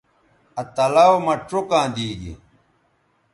آ تلاؤ مہ چوکاں دی گی